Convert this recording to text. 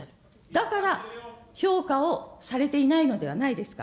だから評価をされていないのではないですか。